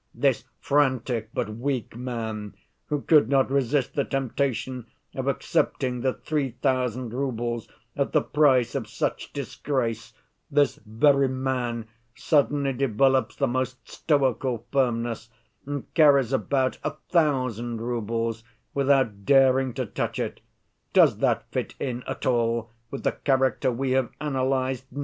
This frantic, but weak man, who could not resist the temptation of accepting the three thousand roubles at the price of such disgrace, this very man suddenly develops the most stoical firmness, and carries about a thousand roubles without daring to touch it. Does that fit in at all with the character we have analyzed?